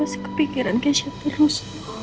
aku masih kepikiran keisha terus